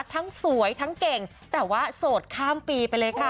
ทั้งสวยทั้งเก่งแต่ว่าโสดข้ามปีไปเลยค่ะ